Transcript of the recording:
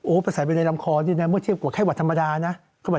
โอ้ประสาทใบในรำคอนี่นะเมื่อเทียบกว่าแค่หวัดธรรมดานะ